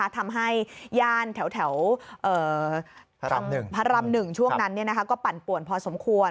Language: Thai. ทำให้ย่านแถวพระรำหนึ่งช่วงนั้นก็ปั่นป่วนพอสมควร